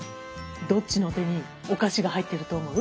どっちの手にお菓子が入ってると思う？